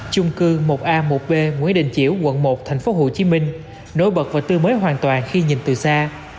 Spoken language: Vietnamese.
trung cư một a một b nguyễn đình chiểu quận một thành phố hồ chí minh nổi bật và tư mới hoàn toàn khi nhìn từ xa